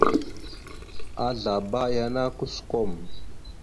Azlaba yana kusəkom.